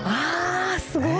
すごい。